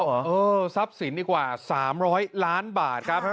เออทรัพย์สินดีกว่า๓๐๐ล้านบาทครับ